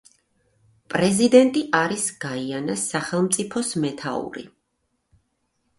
პრეზიდენტი არის გაიანას სახელმწიფოს მეთაური.